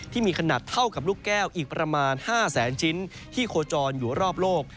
ที่มีขนาดเท่ากับลูกแก้วอีกประมาณ๕แสนชิ้นที่โคจรอยู่รอบโลก